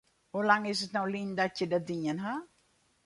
Hoe lang is it no lyn dat je dat dien ha?